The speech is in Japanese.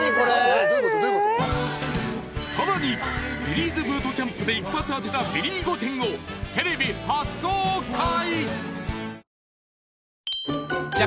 ［さらにビリーズブートキャンプで一発当てたビリー御殿をテレビ初公開！］